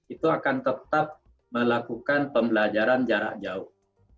itu akan tetap melakukan pembelajaran jarak jauh